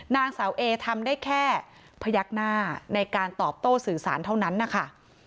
นางสาวเอทำได้แค่พยักหน้าในการตอบโต้สื่อสารเท่านั้นนะคะ